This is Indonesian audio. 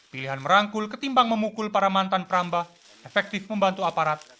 pilihan merangkul ketimbang memukul para mantan perambah efektif membantu aparat